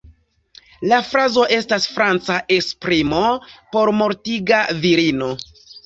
La frazo estas franca esprimo por "mortiga virino".